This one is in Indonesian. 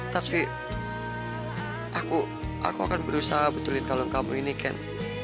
tapi aku akan berusaha betulin calon kamu ini ken